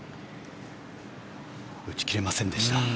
打ち切れませんでした。